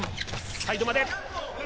最後まで。